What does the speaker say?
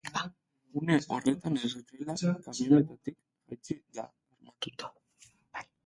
Une horretan erasotzailea kamionetatik jaitsi da, armatuta.